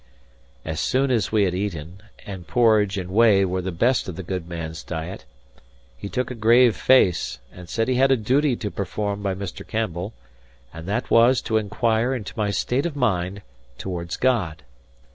As soon as we had eaten (and porridge and whey was the best of the good man's diet) he took a grave face and said he had a duty to perform by Mr. Campbell, and that was to inquire into my state of mind towards God.